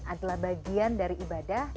adalah bagian dari ibadah